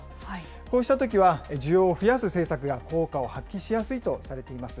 こうしたときは需要を増やす政策が効果を発揮しやすいとされています。